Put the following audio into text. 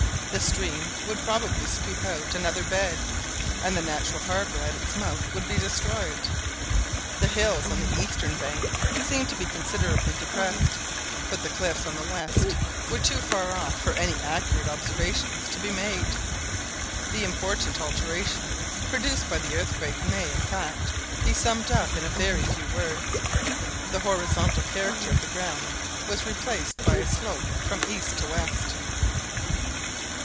The stream would probably scoop out another bed, and the natural harbour at its mouth would be destroyed. The hills on the eastern bank seemed to be considerably depressed, but the cliffs on the west were too far off for any accurate observations to be made. The important alteration produced by the earthquake may, in fact, be summed up in a very few words : the horizontal character of the ground was replaced by a slope from east to west.